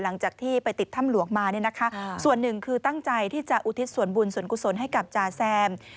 หลังจากที่ไปติดถ้ำหลวงมาเนี่ยนะคะส่วนหนึ่งคือตั้งใจที่จะอุทิศส่วนบุญส่วนกุศลให้กับจาแซม